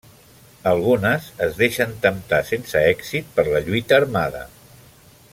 Algunes es deixen temptar, sense èxit, per la lluita armada.